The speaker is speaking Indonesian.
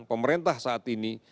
pemerintah saat ini